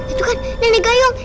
itu kan nenek gayung